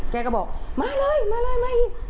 แกก็บอกมาเลยมาเลยมาอีก